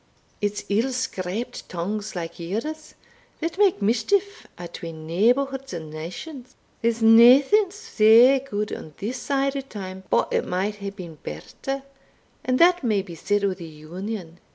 it's ill scraped tongues like yours, that make mischief atween neighbourhoods and nations. There's naething sae gude on this side o' time but it might hae been better, and that may be said o' the Union.